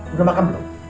udah makan belum